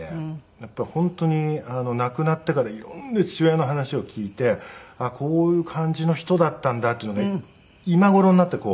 やっぱり本当に亡くなってから色んな父親の話を聞いてこういう感じの人だったんだっていうのが今頃になってこう。